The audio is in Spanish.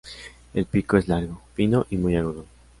El pico es largo, fino y muy agudo.